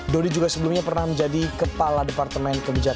dodi juga sebelumnya pernah menjadi kepala departemen kebijakan